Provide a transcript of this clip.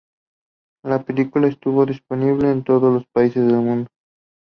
La película estuvo disponible en todos los países del mundo.